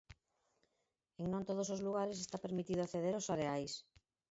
En non todos os lugares está permitido acceder aos areais.